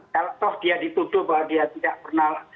kalau toh dia dituduh bahwa dia tidak pernah